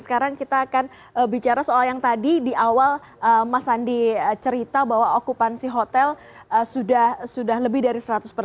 sekarang kita akan bicara soal yang tadi di awal mas andi cerita bahwa okupansi hotel sudah lebih dari seratus persen